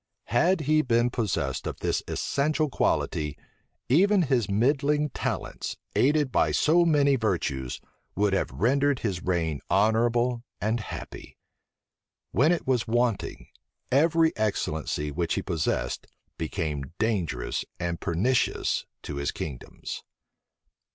Had he been possessed of this essential quality, even his middling talents, aided by so many virtues, would have rendered his reign honorable and happy. When it was wanting, every excellency which he possessed became dangerous and pernicious to his kingdoms.